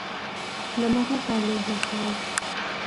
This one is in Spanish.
Lo más notable es la "Fight!